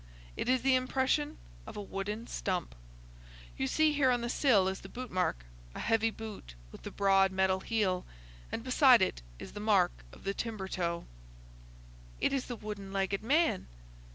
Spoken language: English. It is the impression of a wooden stump. You see here on the sill is the boot mark, a heavy boot with the broad metal heel, and beside it is the mark of the timber toe." "It is the wooden legged man."